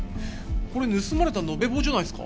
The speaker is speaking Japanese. これ盗まれた延べ棒じゃないですか？